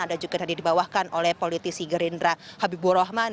ada juga tadi dibawakan oleh politisi gerindra habibur rahman